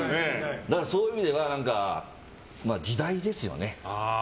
だから、そういう意味では時代ですよね。